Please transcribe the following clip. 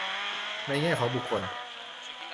ในแง่ของบุคคล